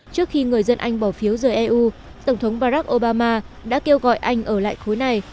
trước khi người dân anh bỏ phiếu rời eu tổng thống barack obama đã kêu gọi anh ở lại khối này